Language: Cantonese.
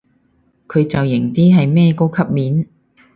佢就型啲，係咩高級面